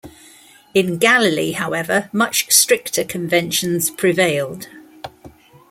In Galilee, however, much stricter conventions prevailed.